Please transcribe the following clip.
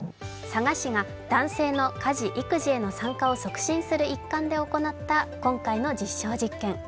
佐賀市が男性の家事・育児への参加を促進する一環で行った今回の実証実験。